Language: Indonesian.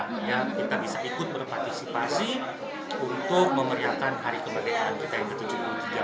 kita bisa ikut berpartisipasi untuk memeriahkan hari kemerdekaan kita yang ke tujuh puluh tiga